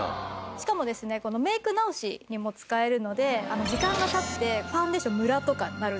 しかもですねメイク直しにも使えるので時間が経ってファンデーションムラとかなるじゃないですか。